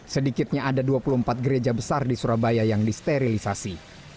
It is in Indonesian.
sedikitnya ada dua puluh empat gereja besar di surabaya yang disterilisasi